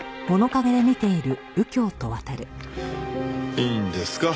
いいんですか？